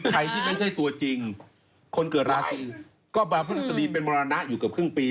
ใครที่ไม่ใช่ตัวจริงคนเกิดราศีก็ดาวพฤษฎีเป็นมรณะอยู่เกือบครึ่งปี